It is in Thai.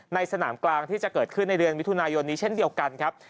สนามกลางที่จะเกิดขึ้นในเดือนมิถุนายนนี้เช่นเดียวกันครับ